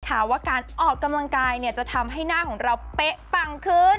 ว่าการออกกำลังกายเนี่ยจะทำให้หน้าของเราเป๊ะปังขึ้น